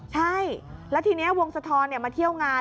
ใช่แล้วทีนี้วงสะทอนมาเที่ยวงาน